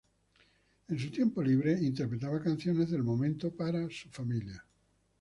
En su tiempo libre interpretaba canciones del momento para su familia.